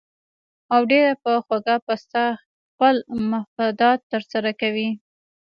او ډېره پۀ خوږه پسته خپل مفادات تر سره کوي